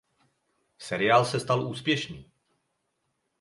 Seriál se stal úspěšný.